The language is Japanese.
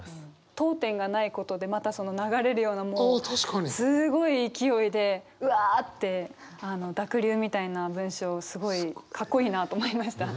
読点がないことでまたその流れるようなすごい勢いでうわって濁流みたいな文章すごいかっこいいなと思いました。